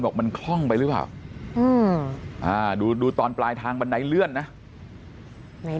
บอกมันคล่องไปหรือเปล่าดูดูตอนปลายทางบันไดเลื่อนนะใน